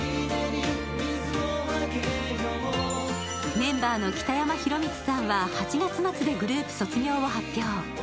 メンバーの北山宏光さんは８月末でグループ卒業を発表。